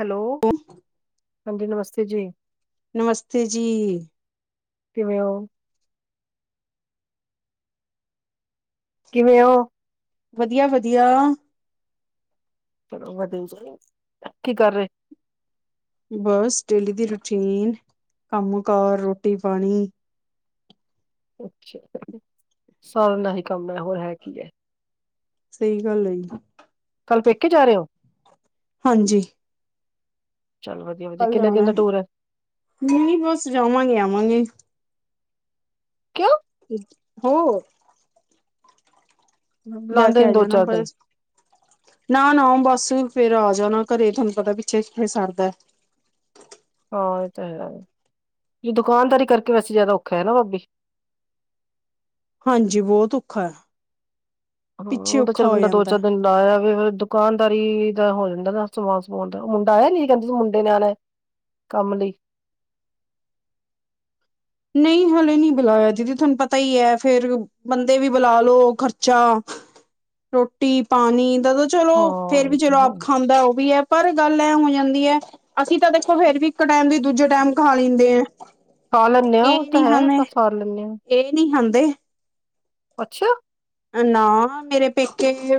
Hello, ਹਾਂਜੀ ਨਮਸਤੇ ਜੀ ਨਮਸਤੇ ਜੀ ਕਿਵੇਂ ਓ? ਕਿਵੇਂ ਉ? ਵਧੀਆ, ਵਧੀਆ ਵਧੀਆ, ਕੀ ਕਰ ਰਹੇ? ਬਸ ਡੇਲੀ ਦੀ ਰੂਟੀਨ, ਕੰਮ ਕਾਰ, ਰੋਟੀ ਪਾਣੀ ਅੱਛਾ, ਸਾਰਿਆਂ ਨਾਲ ਹੀ ਕੰਮ ਹੈ, ਹੋਰ ਹੈ ਕੀ ਹੈ ਸਹੀ ਗੱਲ ਹੈ ਜੀ ਕੱਲ ਪੇਕੇ ਜਾ ਰਹੇ ਹੋ? ਹਾਂਜੀ ਚੱਲ ਵਧੀ ਕੱਲ ਜਾਣਾ, ਨਹੀਂ ਬਸ ਜਾਵਾਂਗੇ, ਆਵਾਂਗੇ ਕਿਉ? ਹੋਾਂ ਜਾ ਕੇ ਲਾਂਦੇ ਆ ਨੇ ਦੋ ਜਾਣਾ, ਚਾਰ ਦਿਨ ਬਸ ਨਾ -ਨਾ ਉਹ ਬਸ ਫੇਰ ਆ ਜਾਣਾ ਘਰੇ, ਤੁਹਾਨੂੰ ਪਤਾ ਪਿੱਛੇ ਕਿਥੇ ਸਰਦਾ ਹਾਂ ਇਹ ਤਾਂ ਹੈ, ਜ ਦੁਕਾਨਦਾਰੀ ਕਰਕੇ ਵੈਸੇ ਜ਼ਿਆਦਾ ਔਖਾ ਹੈ ਨਾ ਭਾਬੀ ਹਾਂਜੀ, ਬਹੁਤ ਔਖਾ ਪਿੱਛੇ ਹਾਂ, ਤਾਂ ਔਖਾ ਚੱਲ ਹੋ ਬੰਦਾ ਦੋ ਜਾਂਦਾ ਚਾਰ ਦਿਨ ਲਾ ਇਆ ਵੇ ਦੁਕਾਨਦਾਰੀ ਤਾਂ ਨੇ ਆਣਾਹੋ ਜਾਂਦਾ ਸਮਾਨ ਸਮੂਨ ਦਾ, ਮੁੰਡਾ ਆਇਆ ਨੀ ਕਹਿੰਦੇ ਮੁੰਡੇ ਨੇ ਆਣਾ ਕੰਮ ਲਈ ਨਹੀਂ ਹਲੇ ਨੀ ਬੁਲਾਇਆ, ਦੀਦੀ ਤੁਹਾਨੂੰ ਪਤਾ ਹੀ ਹੈ ਫੇਰ ਬੰਦੇ ਵੀ ਬੁਲਾ ਲੋ ਖਰਚਾ, ਰੋਟੀ, ਪਾਣੀਦਾਂ ਚਲੋ, ਫੇਰ ਹਾਂ ਵੀ ਤੇ ਜਦੋਂ ਹੈ ਆਪ ਖਾਂਦਾ ਉਹ ਵੀ ਹੈ ਪਰ ਗੱਲ ਐ ਹੋ ਜਾਂਦੀ ਹੈ, ਅਸੀਂ ਤਾਂ ਦੇਖੋ ਫੇਰ ਵੀ ਇੱਕ ਟਾਈਮ ਦੀ, ਦੂਜੇ ਟਾਈਮ ਖਾ ਲੈਂਦੇ ਆ ਖਾ ਲੈਦੇ ਹਾਂ, ਉਹ ਇਹ ਤਾਂ ਨੀ ਹੈ, ਖਾਂਦੇ ਅਪਾਂ ਸਾਰ ਲੈਂਦੇ ਹਾਂ ਇਹ ਵੀ, ਨਹੀਂ ਖਾਂਦੇ। ਅੱਛਾ! ਨਾ, ਮੇਰੇ ਪੇਕੇ ਵੀ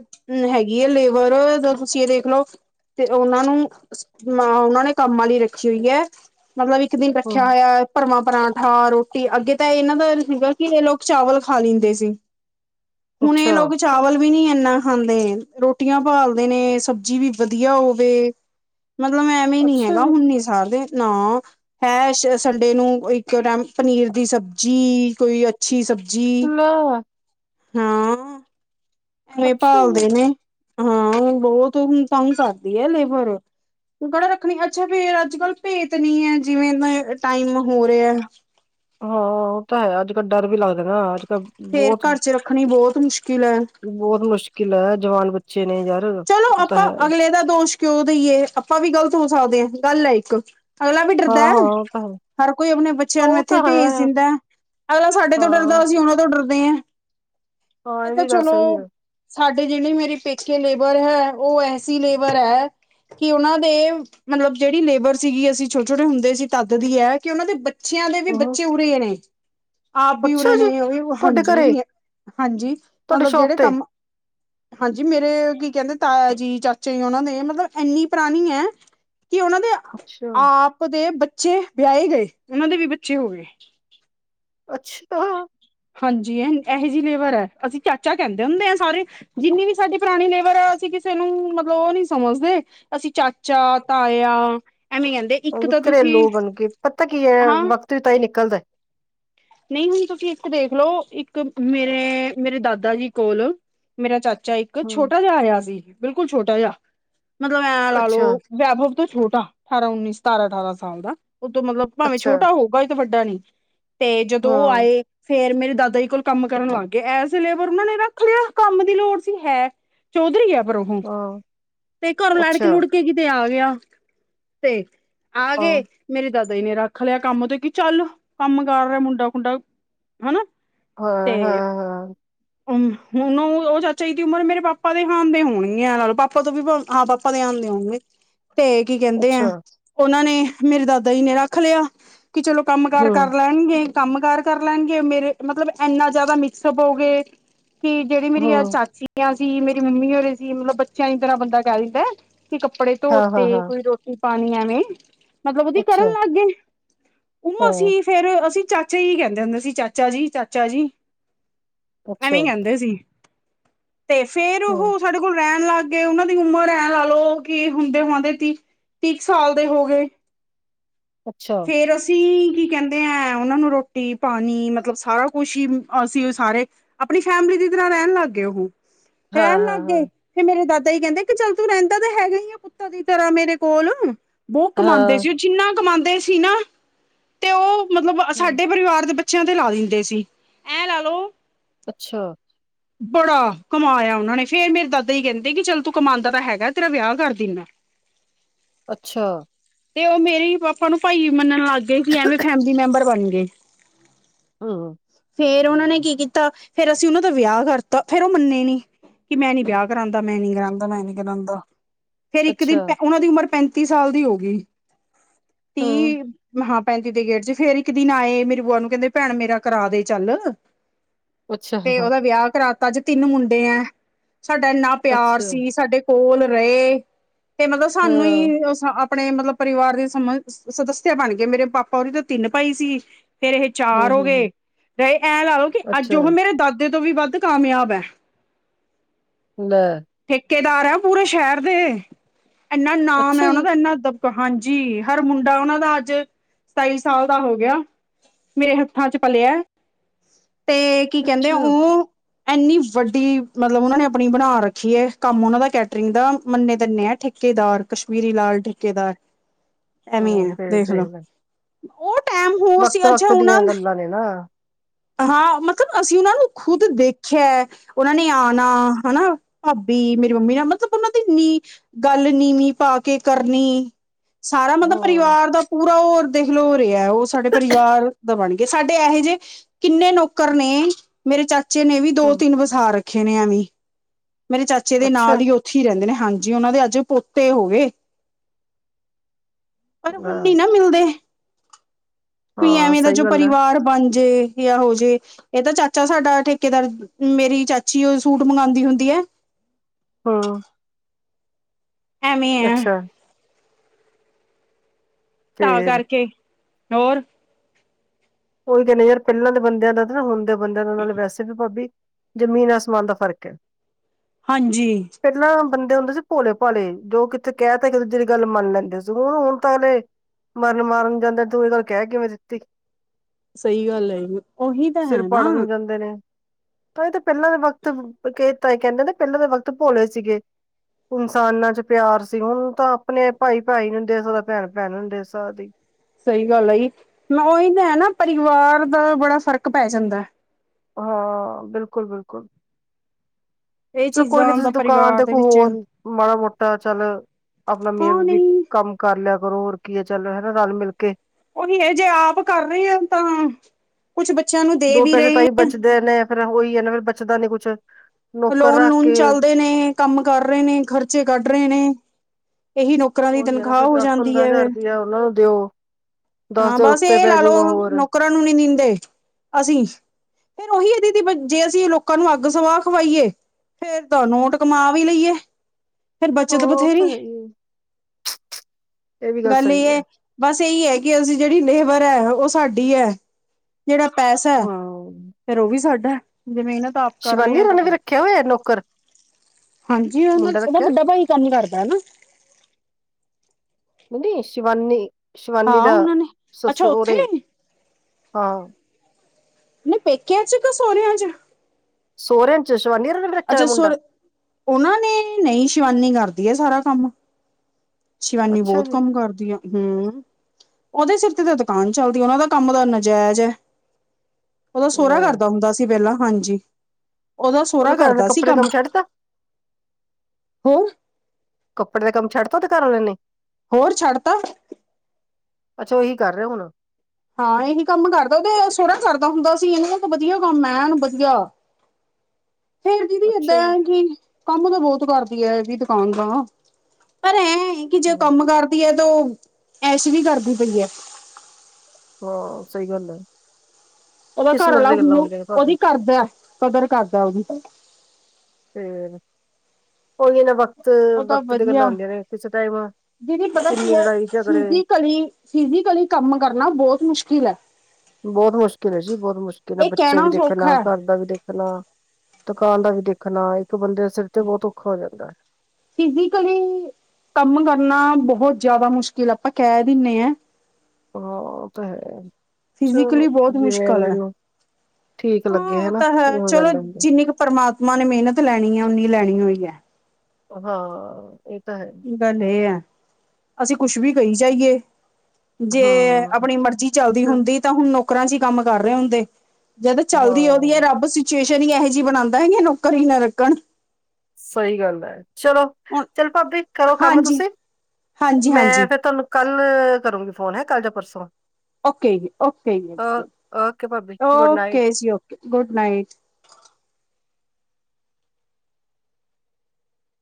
ਹੈਗੀ ਆ ਲੇਬਰ, ਤੇ ਤੁਸੀਂ ਇਹ ਦੇਖ ਲਓ ਤੇ ਉਹਨਾਂ ਨੂੰ, ਉਹਨਾਂ ਨੇ ਕੰਮ ਵਾਲੀ ਰੱਖੀ ਹੋਈ ਹੈ, ਮਤਲਬ ਵੀ ਰੱਖਿਆ ਹਮ ਹੋਇਆ ਭਰਵਾਂ ਪਰਾਂਠਾ, ਰੋਟੀ, ਅੱਗੇ ਤਾਂ ਇਹਨਾਂ ਦਾ ਸੀਗਾ ਕਿ ਇਹ ਲੋਕ ਚਾਵਲ ਖਾ ਲੈਂਦੇ ਸੀ ਹੁਣ ਇਹ ਅੱਛਾ ਲੋਕ ਚਾਵਲ ਵੀ ਨੀ ਇਨਾ ਖਾਂਦੇ, ਰੋਟੀਆਂ ਭਾਲਦੇ ਨੇ, ਸਬਜ਼ੀ ਵੀ ਵਧੀਆ ਹੋਵੇ [inaudible] ਮਤਲਬ ਐਵੇਂ ਨੀ ਅੱਛਾ ਹੈਗਾ, ਜੀ ਹੁਣ ਨੀ ਸਾਰ ਦੇ, ਨਾ ਹੈ ਸੰਡੇ ਨੂੰ, ਇੱਕ ਟਮ ਪਨੀਰ ਦੀ ਸਬਜ਼ੀ, ਕੋਈ ਅੱਛੀ ਸਬਜ਼ੀ ਅੱਛਾ! ਹਾਂ, ਐਵੇਂ ਅੱਛਾ ਪਾਲਦੇ ਜੀ। ਨੇ। ਹਾਂ ਬਹੁਤ, ਹੁਣ ਤੰਗ ਕਰਦੀ ਆ ਲੇਬਰ ਕੜਾ ਰੱਖਣੀ, ਅੱਛਾ ਫੇ ਅੱਜ ਕੱਲ ਭੇਤ ਨ ਹੈ, ਜਿਵੇਂ ਟਾਈਮ ਹੋ ਰਿਹਾ ਹੈ। ਹਾਂ ਉਹ ਤਾਂ ਹੈ, ਅੱਜ ਕੱਲ ਡਰ ਵੀ ਲੱਗਦਾ ਨਾ ਅੱਜ ਕੱਲ ਫੇਰ ਬਹੁਤ ਘਰ 'ਚ ਰੱਖਣੀ, ਬਹੁਤ ਮੁਸ਼ਕਿਲ ਹੈ। ਬਹੁਤ ਮੁਸ਼ਕਿਲ ਹੈ ਜਵਾਨ ਬੱਚੇ ਨੇ ਯਾਰ, ਉਹ ਤਾਂ ਹੈ। ਏਦਾ ਦੋਸ਼ ਕਿਉਂ ਦੇਈਏ, ਆਪਾਂ ਵੀ ਗ਼ਲਤ ਹੋ ਸਕਦੇ ਹ, ਗੱਲ ਹੈ ਇੱਕ, ਅਗਲਾ ਵੀ ਹਾਂ ਡਰਦਾ ਹੈ। ਹਾਂ ਉਹ ਤਾਂ ਹੈ ਹਰ ਕੋਈ ਆਪਣੇ ਹਾਂ ਬੱਚਿਆਂ ਨੂੰ ਉਹ ਇੱਥੇ ਤਾਂ ਹੈ ਭੇਜ ਦਿੰਦਾ, ਅਗਲਾ ਸਾਡੇ ਤੋਂ ਹਾਂ। ਡਰਦਾ, ਅਸੀਂ ਉਹਨਾਂ ਤੋਂ ਡਰਦੇ ਹਾਂ। ਹਾਂ ਇਹ ਤਾਂ ਵੀ ਗੱਲ ਚਲੋ ਸਹੀ ਹੈ। ਸਾਡੇ ਜਿਵੇ ਮੇਰੇ ਪੇਕੇ ਲੇਬ ਬਰ ਹੈ ਉਹ ਐਸੀ ਲੇਬਰ ਐ ਕੀ ਉਹਨਾਂ ਦੇ ਮਤਲਬ ਜਿਹੜੀ ਲੇਬਰ ਸੀਗੀ ਅਸੀਂ ਛੋਟੇ-ਛੋਟੇ ਹੁੰਦੇ ਸੀ ਤੱਦ ਦੀ ਐ ਕਿ ਉਹਨਾਂ ਦੇ ਬੱਚ ਚਿਆਂ ਦੇ ਵੀ ਹੂੰ ਬੱਚੇ ਉਰੇ ਨੇ ਆਪ ਵੀ ਅੱਛਾ ਉਰੇ ਜੀ ਨੇ ਉਹ ਵੀ ਤੁਹਾਡੇ ਹਾਂਜੀ ਘਰੇ ਉਰੀ ਹੈ ਹਾਂਜੀ ਤੁਹਾਡੇ ਮਤਲਬ ਸ਼ੋਪ ਜਿਹੜੇ ਤੇ ਕੰਮ ਹਾਂਜੀ ਮੇਰੇ ਕੀ ਕਹਿੰਦੇ ਤਾਇਆ ਜੀ ਚਾਚੇ ਜੀ ਉਹਨਾ ਦੇ ਮਤਲਬ ਇੰਨੀ ਪੁਰਾਣੀ ਐ ਕੀ ਉਹਨਾਂ ਦੇ ਅੱਛਾ। ਆਪ ਦੇ ਬੱਚੇ ਵਿਆਹੇ ਗਏ ਉਹਨਾਂ ਦੇ ਵੀ ਬੱਚੇ ਹੋ ਗਏ। ਅੱਛਿ ਆ ਹਾਂਜੀ ਇਹ ਐਹੇ ਜਿਹੀ ਲੇਬਰ ਹੈ ਅਸੀਂ ਚਾਚਾ ਕਹਿੰਦੇ ਹੁੰਦੇ ਐ ਸਾਰੇ। ਜਿੰਨੀ ਵੀ ਸਾਡੀ ਪਰਾਣੀ ਲੇਬਰ ਅ ਅਸੀਂ ਕਿਸੇ ਨੂੰ ਮਤਲਬ ਉਹ ਨੀ ਸਮਝਦੇ। ਅਸੀਂ ਚਾਚਾ ਤਾਇਆ ਐਵੀਂ ਕਹਿੰਦੇ ਇੱਕ ਉਹ ਤਾਂ ਤੁਸੀਂ ਘਰੇਲੂ ਬਣ ਕੇ ਪਤਾ ਕੀ ਹੈ ਹਾਂ ਵਕਤ ਵੀ ਤਾਂ ਹੀ ਨਿਕਲਦਾ। ਨਹੀਂ ਹੁਈ ਤੁਂ ਠੀਕ ਦੇਖਲੋ ਇੱਕ ਮੇਰੇ-ਮੇਰੇ ਦਾਦਾ ਜੀ ਕੋਲ ਮੇਰਾ ਚਾਚਾ ਈ ਹੂੰ। ਛੋਟਾ ਜਿਹਾ ਆਇਆ ਸੀ ਬਿਲਕੁਲ ਛੋਟਾ ਜਿਹਾ ਮਤਲਬ ਐਂ ਲਾ ਅੱਛਾ ਲਓ ਵੈਭਵ ਤੋਂ ਛੋਟਾ ਠਾਰਾਂ ਉੱਨੀ ਸਤਾਰਾਂ ਠਾਰਾਂ ਸਾਲ ਦਾ ਉਹਤ ਤੋਂ ਮਤਲਬ ਭਾਵੇਂ ਅੱਛਾ ਛੋਟਾ ਹੋਊਗਾ ਤਾਂ ਵੱਡਾ ਨੀ ਤੇ ਜਦੋਂ ਉਹ ਹਾਂ ਆਏ ਫੇਰ ਮੇਰੇ ਦਾਦਾ ਜੀ ਕੋਲ ਕੰਮ ਕਰਨ ਲੱਗ ਗਏ ਐਸੀ ਲੇਬਰ ਉਹਨਾਂ ਨੇ ਰੱਖ ਲਿਆ ਕੰਮ ਦੀ ਲੋੜ ਸੀ ਹੈ ਚੌਧਰੀ ਹੈ ਪਰ ਓਹ ਹਾਂ ਤੇ ਘਰੋਂ ਲੜਕੇ ਅੱਛਾ ਲੁੜਕੇ ਕਿਤੇ ਆ ਗਿਆ। ਤੇ ਆਗੇ ਹਾਂ ਮੇਰੇ ਦਾਦਾ ਜੀ ਨੇ ਰੱਖ ਲਿਆ ਕੰਮ ਤੇ ਕੀ ਚੱਲ ਕੰਮ ਕਰ ਰਿਹਾ ਮੁੰਡਾ ਖੁੰਡਾ ਹਨਾ ਹਾਂ ਹਾਂ ਤੇ ਹਾਂ ਹੁਣ ਉਹ ਉਹ ਚਾਚਾ ਯੀ ਦੀ ਉਮਰ ਮੇਰੇ ਪਾਪਾ ਦੇ ਹਾਣ ਦੇ ਹੋਨੀ ਆ ਨਾਲੇ ਪਾਪਾ ਤੋਂ ਵੀ ਹਾਂ ਪਾਪਾ ਦੇ ਹਾਨ ਦੇ ਹੋਣਗੇ ਤੇ ਕੀ ਕਹਿੰਦੇ ਐਂ ਅੱਛਾ ਉਹਨਾਂ ਨੇ ਮੇਰੇ ਦਾਦਾ ਜੀ ਨੇ ਰੱਖ ਲਿਆ। ਕੀ ਚਲੋ ਕੰਮ ਕਾਰ ਹੂੰ। ਕਰ ਲੈਣਗੇ ਕੰਮ ਕਾਰ ਕਰ ਲੈਣਗੇ ਮੇਰੇ ਮਤਲਬ ਐਨਾ ਜਾਦਾ ਮਿਕਸਪ ਹੋ ਗੇ ਕੀ ਜਿਹੜੀ ਮੇਰੀ ਆ ਹੂੰ, ਚਾਚੀ ਗਿਆ ਸੀ ਮੇਰੀ ਮੰਮੀ ਹੋਰੇ ਸੀ ਮਤਲਬ ਬੱਚਿਆਂ ਦੀ ਤਰ੍ਹਾਂ ਬੰਦਾ ਕਹਿ ਦਿੰਦਾ ਕਿ ਕੱਪੜੇ ਧੋਤੇ ਹਾਂ-ਹਾਂ-ਹਾਂ, ਕੋਈ ਰੋਟੀ ਪਾਣੀ ਐਵੇਂ ਮਤਲਬ ਉਹਦੀ ਅੱਛਾ, ਕਰਨ ਲੱਗ ਗਏ ਉਹਨੂੰ ਹਾਂ, ਅਸੀਂ ਫੇਰ ਅਸੀਂ ਚਾਚਾ ਜੀ ਕਹਿੰਦੇ ਹੁੰਦੇ ਸੀ ਚਾਚਾ ਜੀ ਚਾਚਾ ਜੀ ਅੱਛਾ, ਐਵੇਂ ਈ ਕਹਿੰਦੇ ਸੀ ਤੇ ਫੇਰ ਹੂੰ, ਉਹ ਸਾਡੇ ਕੋਲ ਰੈਣ ਲੱਗ ਗਏ ਉਹਨਾਂ ਦੀ ਉਮਰ ਇਹ ਲਾ ਲੋਓ ਕੀ ਹੁੰਦੇ [unintelligible] ਤੀ ਕ ਸਾਲ ਦੇ ਹੋ ਗਏ ਅੱਛਾ ਫੇਰ ਅਸੀਂ ਕੀ ਕਹਿੰਦੇ ਐਂ ਉਹਨਾਂ ਨੂੰ ਰੋ ਟੀ ਪਾਣੀ ਮਤਲਬ ਸਾਰਾ ਕੁਸ਼ ਹੀ ਅਸੀਂ ੳ ਸਾਰੇ ਆਪਣੀ ਫੈਮਿਲੀ ਦੀ ਤਰ੍ਹਾਂ ਰਹਿਣ ਲੱਗ ਗਏ ਉਹ। ਰੈਣ ਲੱਗ ਗਏ ਹਾਂ-ਹਾਂ-ਹਾਂ, ਫੇਰ ਮੇਰੇ ਦਾਦਾ ਯੀ ਕਹਿੰਦੇ ਕਿ ਚੱਲ ਤੂੰ ਰਹਿੰਦਾ ਤਾਂ ਹੈਗਾ ਹੀ ਆ ਪੁੱਤ ਦੀ ਤਰ੍ਹਾਂ ਮੇਰੇ ਕੋਲ। ਬਹੁਤ ਕਮਾਂਦੇ ਹਾਂ, ਸੀ ਉਹ ਜਿੰਨਾ ਕਮਾਂਦੇ ਸੀ ਨਾਂ ਤੇ ਉਹ ਮਤਲਬ ਸਾਡੇ ਹੂੰ, ਪਰਿਵਾਰ ਦੇ ਬੱਚਿਆਂ ਤੇ ਲਾ ਦਿੰਦੇ ਸੀ ਐਂ ਲਾ ਲਓ ਅੱਛਾ ਬੜਾ ਕਮਾਇਆ ਉਹਨਾ ਨੇ ਫੇਰ ਮੇਰੇ ਦਾਦਾ ਯੀ ਕਹਿੰਦੇ ਕਿ ਚੱਲ ਤੂੰ ਕਮਾਂਦਾ ਤਾਂ ਹੈਗਾ ਤੇਰਾ ਵਿਆਹ ਕਰ ਦੀਨਾ। ਅੱਛਾ ਤੇ ਉਹ ਮੇਰੇ ਈ ਪਾਪਾ ਨੂੰ ਭਾਈ ਮੰਨਣ ਲੱਗ ਗਏ ਕੀ ਐਵੇਂ ਫੈਮਲੀ ਮੈਂਬਰ ਬਣ ਗਏ। ਹੂੰ ਹੂੰ ਫੇਰ ਉਹਨਾਂ ਨੇ ਕੀ ਕੀਤਾ, ਫੇਰ ਅਸੀਂ ਉਹਨਾਂ ਦਾ ਵਿਆਹ ਕਰਤਾ ਫੇਰ ਉਹ ਮੰਨੇ ਨੀ। ਕਿ ਮੈਂ ਨੀ ਵਿਆਹ ਕਰਾਂਦਾ ਮੈਂ ਨੀ ਕਰਾਂਦਾ ਮੈਂ ਨੀ ਕਰਾਂਦਾ। ਫੇਰ ਇੱਕ ਦਿਨ ਅੱਛਾ, ਉਹਨਾਂ ਦੀ ਉਮਰ ਪੈਂਤੀ ਸਾਲ ਦੀ ਹੋਗੀ, ਹੂੰ, ਤੀਹ ਪੈਂਤੀ ਦੇ ਗੇੜ 'ਚ ਫੇਰ ਇੱਕ ਦਿਨ ਆਏ ਮੇਰੀ ਬੂਆ ਨੂੰ ਕਹਿੰਦੇ ਭੈਣ ਮੇਰਾ ਕਰਾ ਦੇ ਚੱਲ। ਅੱਛਾ, ਤੇ ਹਾਂ, ਉਹਦਾ ਵਿਆਹ ਕਰਾਤਾ ਅੱਜ ਤਿੰਨ ਮੁੰਡੇ ਆ, ਸਾਡਾ ਇੰਨਾ ਪਿਆਰ ਅੱਛਾ, ਸੀ ਸਾਡੇ ਕੋਲ ਰਹੇ, ਤੇ ਮਤਲਬ ਸਾਨੂੰ ਹਾਂ, ਹੀ ਆਪਣੇ ਮਤਲਬ ਪਰਿਵਾਰ ਦੇ ਸਮ ਸਦੱਸਿਆ ਬਣਗੇ ਮੇਰੇ ਪਾਪਾ ਉਹਦੇ ਤਾਂ ਤਿੰਨ ਭਾਈ ਸੀ। ਫੇਰ ਇਹ ਚਾਰ ਹੋ ਗਏ, ਹੂੰ-ਹੂੰ, ਐਂ ਲਗਦਾ ਕਿ ਅੱਜ ਅੱਛਾ, ਉਹ ਮੇਰੇ ਦਾਦੇ ਤੋਂ ਵੀ ਵੱਧ ਕਾਮਯਾਬ ਐ। [inaudible] ਠੇਕੇਦਾਰ ਆ ਪੂਰੇ ਸ਼ਹਿਰ ਦੇ, ਇਨਾ ਨਾਮ ਹੈ ਅੱਛਾ ਉਹਨਾ ਜੀ, ਦਾ ਇਨਾ ਹਾਂਜੀ ਹਰ ਮੁੰਡਾ ਉਹਨਾਂ ਦਾ ਅੱਜ ਸਤਾਈ ਸਾਲ ਦਾ ਹੋ ਗਿਆ। ਮੇਰੇ ਹੱਥਾਂ 'ਚ ਪਲਿਆ, ਤੇ ਕੀ ਕਹਿੰਦੇ ਅੱਛਾ, ਉਹ, ਐੰਨੀ ਵੱਡੀ ਮਤਲਬ ਉਹਨਾਂ ਨੇ ਆਪਣੀ ਬਣਾ ਰੱਖੀ ਏ ਕੰਮ ਉਹਨਾਂ ਦਾ ਕੈਟਰਿੰਗ ਦਾ ਮੰਨੇ-ਤੰਨੇ ਆ ਠੇਕੇਦਾਰ ਕਸ਼ਮੀਰੀ ਲਾਲ ਠੇਕੇਦਾਰ। [inaudible] ਐਵੇਂ ਲੈ ਆ ਫੇਰ ਦੇਖ ਲੋ। ਲੈ, ਉਹ ਟੈਮ ਹੋਰ ਸੀ ਅੱਛਾ ਵਕਤ-ਵਕਤ ਉਹਨਾਂ ਦੀਆਂ ਗੱਲਾਂ ਨੇ ਨਾ। ਹਾਂ ਮਤਲਬ ਅਸੀਂ ਉਹਨਾਂ ਨੂੰ ਖੁਦ ਦੇਖਿਆ ਉਹਨਾਂ ਨੇ ਆਣਾ ਹਨਾ ਭਾਬੀ ਮੇਰੀ ਮੰਮੀ ਨੇ ਮਤਲਬ ਉਹਨਾਂ ਦੀ ਨੀ ਗੱਲ ਨੀਵੀਂ ਪਾ ਕੇ ਕਰਨੀ ਸਾਰਾ ਮਤਲਬ ਹਾਂ, ਪਰਿਵਾਰ ਦਾ ਪੂਰਾ ਉਹ ਦੇਖ ਲਓ ਰਿਹਾ ਉਹ ਸਾਡੇ ਪਰਿਵਾਰ ਦਾ ਬਣ ਗਏ ਸਾਡੇ ਇਹੇ ਜਿਹੇ ਕਿੰਨੇ ਨੌਕਰ ਨੇ ਮੇਰੇ ਚਾਚੇ ਨੇ ਵੀ ਹੂੰ, ਦੋ-ਤਿੰਨ ਵਸਾ ਰੱਖੇ ਨੇ ਐਵੇਂ ਈ। ਮੇਰੇ ਚਾਚੇ ਦੇ ਅੱਛਾ, ਨਾਲ ਹੀ ਉੱਥੇ ਰਹਿੰਦੇ ਨੇ ਹਾਂਜੀ ਉਹਨਾਂ ਦੇ ਅੱਜ ਪੋਤੇ ਹੋਗੇ। ਪਰ ਲੈ, ਹੁਣ ਨੀ ਨਾ ਮਿਲਦੇ। ਕੋਈ ਹਾਂ ਐਵੇਂ ਦਾ ਸਹੀ ਜੋ ਗੱਲ ਐ, ਪਰਿਵਾਰ ਬਣ ਜੇ। ਆ ਹੋ ਜੇ, ਇਹ ਤਾਂ ਚਾਚਾ ਸਾਡਾ ਠੇਕੇਦਾਰ ਮੇਰੀ ਚਾਚੀ ਉਹ ਸੂਟ ਮੰਗਾਂਦੀ ਹੁੰਦੀ ਏ। ਹਾਂ ਐਵੇਂ ਆ। ਅੱਛਾ, ਤਾਂ ਫੇਰ ਕਰਕੇ, ਹੋਰ ਉਹੀ ਕਹਿੰਦੇ ਯਾਰ ਪਹਿਲਾਂ ਦੇ ਬੰਦਿਆਂ ਦਾ ਤੇ ਨਾ ਹੁਣ ਦੇ ਬੰਦਿਆਂ ਨਾਲ ਵੈਸੇ ਵੀ ਭਾਬੀ ਜ਼ਮੀਨ ਆਸਮਾਨ ਦਾ ਫ਼ਰਕ ਐ। ਹਾਂਜੀ। ਪਹਿਲਾਂ ਬੰਦੇ ਹੁੰਦੇ ਸੀ ਭੋਲੇ ਭਾਲੇ ਜੋ ਕਿਥੇ ਕਹਿ ਤਾ ਕਿ ਦੂਜੇ ਦੀ ਗੱਲ ਮੰਨ ਲੈਂਦੇ ਸੀ ਹੁਣ ਹੁਣ ਤਾਂ ਅਗਲੇ ਮਰਨ ਮਾਰਨ ਜਾਂਦਾ ਤੂੰ ਇਹ ਗੱਲ ਕਹਿ ਕਿਵੇਂ ਦਿੱਤੀ। ਸਹੀ ਗੱਲ ਏ। ਸਿਰ ਪਾੜਨ ਨੂੰ ਜਾਂਦੇ ਨੇ। ਤਾਹੀ ਤਾਂ ਪਹਿਲਾਂ ਦੇ ਵਕਤ ਕਹਿੰਦੇ ਨਾ ਪਹਿਲਾਂ ਦੇ ਵਕਤ ਭੋਲੇ ਸੀਗੇ। ਇਨਸਾਨਾਂ 'ਚ ਪਿਆਰ ਸੀ ਹੁਣ ਤਾਂ ਆਪਣੇ ਭਾਈ ਭਾਈ ਨੂੰ ਦੇ ਸਕਦਾ ਭੈਣ ਭੈਣ ਨੂੰ ਦੇ ਸਕਦੀ। ਸਹੀ ਗੱਲ ਹੈਗੀ, ਮੈਂ ਉਹੀ ਤਾਂ ਹੈ ਨਾ ਪਰਿਵਾਰ ਦਾ ਬੜਾ ਫ਼ਰਕ ਪੈ ਜਾਂਦਾ। ਹਾਂ ਬਿਲਕੁਲ-ਬਿਲਕੁਲ। ਇਹ ਚਲੋ ਕੋਈ ਨੀ ਚੀਜ਼ਾਂ ਤੁਸੀਂ ਦਾ ਦੁਕਾਨ ਦੇ ਪਰਿਵਾਰ ਕੋ ਵਿੱਚ ਹੋਰ, ਮਾੜਾ-ਮੋਟਾ ਚੱਲ, ਆਪਣਾ ਹਾਂ ਮਿ ਨਹੀਂ ਕੰਮ ਕਰ ਲਿਆ ਕਰੋ ਹੋਰ ਕੀ ਹੈ ਚੱਲ ਹਨਾ ਰਲ-ਮਿਲ ਕੇ। ਉਹੀ ਇਹ ਜੇ ਆਪ ਕਰ ਰਹੇ ਆ ਤਾਂ, ਕੁਛ ਬੱਚਿਆਂ ਨੂੰ ਦੇ ਵੀ ਰਹੇ ਆ। ਫਿਰ ਉਹੀ ਆ ਨਾ ਫਿਰ ਬਚਦਾ ਨੀ ਕੁਛ। ਨੌਕਰ ਰੱਖ ਲੋਨ-ਲੂਨ ਕੇ ਚੱਲਦੇ ਨੇ ਕੰਮ ਕਰ ਰਹੇ ਨੇ ਖਰਚੇ ਕੱਢ ਰਹੇ ਨੇ, ਇਹੀ ਨ- ਨੋਕਰਾਂ ਦੀ ਉਹੀ ਹੈ ਨਾ ਤਨਖਾਹ ਫਿਰ ਹੋ ਦਸ ਜਾਂਦੀ ਪੰਦਰਾਂ ਏ ਹਜ਼ਾਰ ਫੇਰ ਰੁਪਇਆ ਉਹਨਾਂ ਨੂੰ ਦਿਓ ਦਸ ਹਾਂ ਹਜ਼ਾਰ ਬਸ ਉੱਤੇ ਇਹ ਪੈ ਲਾ ਲੋ ਜੂਗਾ ਹੋਰ ਹਾਂ ਨੌਕਰਾਂ ਨੂੰ ਨੀ ਦਿੰਦੇ ਅਸੀਂ। ਫੇਰ ਉਹੀ ਏ ਦੀਦੀ, ਜੇ ਅਸੀਂ ਲੋਕਾਂ ਨੂੰ ਅੱਗ ਸਵਾਹ ਖਵਾਈਏ ਫੇਰ ਫੇਰ ਨੋਟ ਕਮਾ ਵੀ ਲਈਏ। ਫੇਰ ਬੱਚਤ ਉਹ ਤਾਂ ਬਥੇਰੀ। ਹੈ ਹੀ ਇਹ ਵੀ ਗੱਲ ਏ ਸਹੀ ੲੈ। ਹੈ ਬਸ ਏਹੀ ਹੈ ਕਿ ਅਸੀਂ ਜਿਹੜੀ ਲੇਬਰ ਹੈ, ਉਹ ਸਾਡੀ ਹੈ। ਜਿਹੜਾ ਪੈਸਾ ਹੈ, ਹਮ ਫੇਰ ਉਹ ਵੀ ਸਾਡਾ ਐ ਜੇ ਮਿਹਨਤ ਆਪ ਕਰ ਰਹੇ ਸ਼ਿਵਾਨੀ ਆ ਹੋਰਾਂ ਤਾਂ ਨੇ ਵੀ ਫੇਰ। ਰੱਖਿਆ ਹੋਇਆ ਨੌਕਰ ਹਾਂਜੀ ਉ ਨਾ ਮੁੰਡਾ ਰੱਖਿਆ ਵੱਡਾ ਭਾਈ ਕੰਮ ਕਰਦਾ ਏ ਨਾ। ਨਈ ਨਈ ਸ਼ਿਵਾਨੀ ਸ਼ਿਵਾਨੀ ਹਾਂ ਦਾ ਉਹਨਾਂ ਨੇ ਸੱਸ ਅੱਛਾ ਉੱਥੇ ਸਉਰੇ ਹਾਂ। ਨਹੀਂ ਪੇਕਿਆਂ ਚ ਕੇ ਸੋਹਰਿਆਂ ਚ। ਸੋਹਰੇ ਚ ਸ਼ਵਾਨੀ ਅੱਛਾ ਸੁਰ, ਉਹਨਾਂ ਨੇ ਨਹੀਂ ਸ਼ਿਵਾਨੀ ਕਰਦੀ ਏ ਸਾਰਾ ਕੰਮ। ਸ਼ਿਵਾਨੀ ਅੱਛਾ ਬੋਤ ਜੀ ਕੰਮ ਕਰਦੀ ਏ। ਹੂੰ ਉਦੇ ਸੇਰ ਤੇ ਤਾਂ ਦੁਕਾਨ ਚੱਲਦੀ ਏ, ਉਹਨਾ ਦਾ ਕੰਮ ਤਾਂ ਨਜੈਜ਼ ਏ। ਉਹਦਾ ਸੋਹਰਾ ਲੈ ਕਰਦਾ ਹੁੰਦਾ ਸੀ ਪਹਿਲਾਂ ਹਾਂਜੀ। ਉਦਾ ਉਹਦੇ ਸੋਹਰਾ ਘਰ ਨੇ ਕਰਦਾ ਸੀ ਕੱਪੜੇ ਕੰਮ। ਛੱਡਤਾ ਹੋਰ ਕੱਪੜੇ ਦੇ ਕੰਮ ਛੱਡਤਾ ੳਦੇ ਘਾਰ ਵਾਲੇ ਨੇ। ਹੋਰ ਛੱਡਤਾ। ਅੱਛਾ ਉਹੀ ਕਰ ਰਿਹਾ ਹੁਣ। ਹਾਂ ਇਹੀ ਕੰਮ ਕਰਦਾ ਤੇ ਉਹ ਸੋਹਰਾ ਕਰਦਾ ਹੁੰਦਾ ਸੀ, ਇਹਨੂੰ ਵਧੀਆ ਕੰਮ ਏ ਐਂਨ ਵਧੀਆ। [inaudible] ਫੇਰ ਦੀਦੀ ਏਦਾਂ ਅੱਛਾ ਜੀ ਏਂ ਕੀ ਕੰਮ ਤਾਂ ਬੋਤ ਕਰਦੀ ਏ ਇਹ ਵੀ ਦੁਕਾਨ ਦਾ। ਪਰ ਐਂ ਏਂ ਕਿ ਜੇ ਹਮ, ਕੰਮ ਕਰ ਤੋ ਐਸ਼ ਵੀ ਕਰਦੀ ਪਈ ਏ। ਹਾਂ ਸਹੀ ਗੱਲ ੲੈ। ਉਹਦਾ ਘਰਵਾਲਾ ਹੂ ਭਾਬੀ ਉਹਦੀ ਕਰਦੈ, ਕਦਰ ਕਰਦੈ ਉਹਦੀ। ਤੇ ਉਹੀ ਨਾ ਵ ਤ ਉਹ ਤਾਂ ਵਕਤ ਦੀਆਂ ਗੱਲਾਂ ਵਧੀਆ ਹੁੰਦੀਆਂ ਨੇ, ਕਿਸੇ ਟਾਈਮ ਕਿੰਨੀ ਲੜਾਈ ਝਗੜੇ ਗਲੀ [unintelligible] ਫਿਜੀਕਲੀ ਕੰਮ ਕਰਨਾ ਬਹੁਤ ਮੁਸ਼ਕਿਲ ੲੈ। ਬੋਤ ਮੁਸ਼ਕਿਲ ਏ ਜੀ ਬੋਤ ਮੁਸ਼ਕਿਲ ੲੈ। ਇਹ ਬੱਚੇ ਵੀ ਕਹਿਣਾ ਦੇਖਣਾ ਸੌਖਾ ਹੈ ਘਾਰ ਦਾ ਵੀ ਦੇਖਣਾ। ਦੁਕਾਨ ਦਾ ਵੀ ਦੇਖਣਾ ਇੱਕ ਬੰਦੇ ਦੇ ਸਿਰ ਤੇ ਬਹੁਤ ਔਖਾ ਹੋ ਜਾਂਦੈ। ਫਿਜ਼ਕਲੀ ਕੰਮ ਕਰਨਾ ਬਹੁਤ ਜ਼ਿਆਦਾ ਮੁਸ਼ਕਿਲ ੲੈ, ਆਪਾਂ ਕਹਿ ਦਿੰਨੇ ਏਂ ਹਾਂ ੳ ਤਾਂ ਹੈ। ਫਿਜ਼ਕਲੀ ਚਲੋ ਬਹੁਤ ਜਿਵੇਂ ਮੁਸ਼ਕਿਲ ਹੈ ਅਗਲੇ ਨੂੰ ਠੀਕ ਹਾਂ ਲੱਗੇ ਉਹ ਹੇਨਾ, ਤਾਂ ਹੈ ਉਹ ਚਲੋ ਜਾਂਦਾ। ਜਿੰਨੀ ਕੁ ਪਰਮਾਤਮਾ ਨੇ ਮਿਹਨਤ ਲੈਣੀ ਏ ਉਨੀ ਲੈਣੀ ਹੋਈ ੲੈ। ਹਾਂ ਇਹ ਤਾਂ ਹੈ। ਗੱਲ ਏ ੲੈ, ਅਸੀਂ ਕੁਛ ਵੀ ਕਹੀ ਜਾਈਏ ਜੇ ਹਾਂ ਆਪਣੀ ਮਰਜ਼ੀ ਚੱਲਦੀ ਅੱਛਾ ਹੁੰਦੀ ਤਾਂ ਹੁਣ ਨੌਕਰਾਂ ਚ ਈ ਕੰਮ ਕਰ ਰਹੇ ਹੁੰਦੇ, ਜਦ ਚੱਲਦੀ ਉਹਦੀ ਹਾਂ ੲੈ ਰੱਬ ਸਿਚੁਏਸ਼ਨ ਈ ਇਹੋ ਜਿ ਬਣਾਉਂਦੈ ਨੌਕਰ ਈ ਨਾ ਰੱਖਣ। ਸਹੀ ਗੱਲ ੲੈ। ਚਲੋ ਹੁਣ ਚੱਲ ਭਾਬੀ ਕਰੋ ਕੰਮ ਹਾਂਜੀ ਤੁਸੀਂ ਹਾਂਜੀ ਮੈਂ ਹਾਂਜੀ ਫੇਰ ਤੁਹਾਨੂੰ ਕੱਲ ਕਰੂੰਗੀ ਫੋਨ ਹੈ ਕੱਲ ਜਾਂ ਪਰਸੋਂ। ਓਕੇ ਜੀ- ਓਕੇ ਜੀ- ਅ ਓਕੇ। ਓਕੇ ਭਾਬੀ ਗੁੱਡ ਨਾਈਟ ਓਕੇ ਜੀ ਓਕੇ ਗੁੱਡ ਨਾਈਟ।